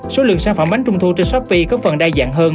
số lượng sản phẩm bánh trung thu trên shopee có phần đa dạng hơn